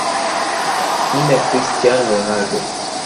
NneChristiano Ronaldo